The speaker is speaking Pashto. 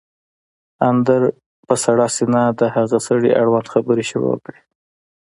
اندړ په سړه سينه د هغه سړي اړوند خبرې شروع کړې